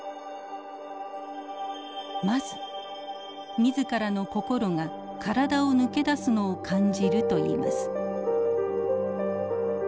まず自らの心が体を抜け出すのを感じるといいます。